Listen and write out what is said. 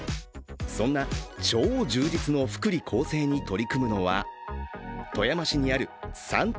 そんな超充実の福利厚生に取り組むのは、富山市にある三東